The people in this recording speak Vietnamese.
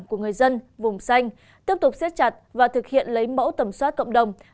của người dân vùng xanh tiếp tục xét chặt và thực hiện lấy mẫu tầm soát cộng đồng